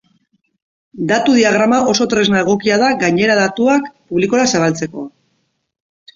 Datu diagrama oso tresna egokia da gainera datuak publikora zabaltzeko.